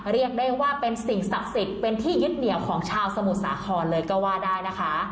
เรียกได้ว่าเป็นสิ่งศักดิ์สิทธิ์เป็นที่ยึดเหนียวของชาวสมุทรสาครเลยก็ว่าได้นะคะ